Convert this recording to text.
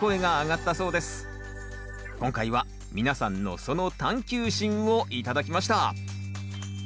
今回は皆さんのその探求心を頂きました。